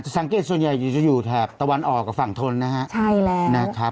สังเกตส่วนใหญ่จะอยู่แถบตะวันออกกับฝั่งทนนะครับ